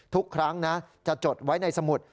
ทุกครั้งนะจะจดไว้ในสมุด